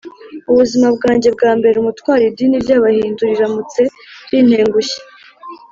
ubuzima bwanjye bwambera umutwaro idini ry’abahindu riramutse rintengushye.